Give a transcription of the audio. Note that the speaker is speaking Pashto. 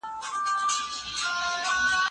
کوم عوامل د کلتور د انحراف سبب کیږي؟